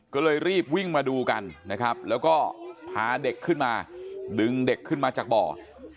ก็เลยรีบวิ่งมาดูกันนะครับแล้วก็พาเด็กขึ้นมาดึงเด็กขึ้นมาจากบ่อ